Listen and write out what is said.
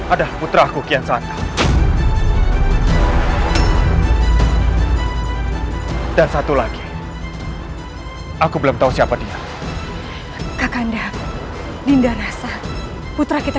ada putra kukian santan dan satu lagi aku belum tahu siapa dia kakanda lindah rasa putra kita